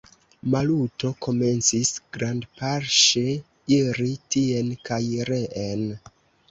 Maluto komencis grandpaŝe iri tien kaj reen.